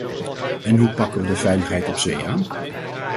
En hoe pakken we de veiligheid op zee aan?